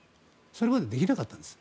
それまでできなかったんです。